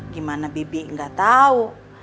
gimana bibi gak tau